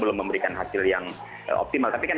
belum memberikan hasil yang optimal tapi kan